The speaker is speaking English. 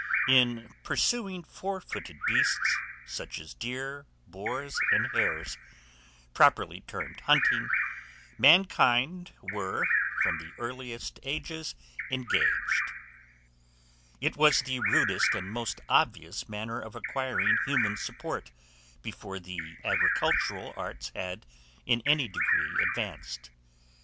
IN PURSUING FOUR FOOTED BEASTS, such as deer, boars, and hares, properly termed hunting, mankind were, from the earliest ages, engaged. It was the rudest and the most obvious manner of acquiring human support before the agricultural arts had in any degree advanced.